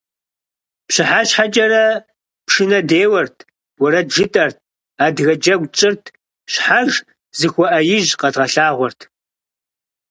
ПщыхьэщхьэкӀэрэ пшынэ деуэрт, уэрэд жытӀэрт, адыгэ джэгу тщӀырт - щхьэж зыхуэӀэижь къэдгъэлъагъуэрт.